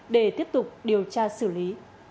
để tiếp tục điều tra xử lý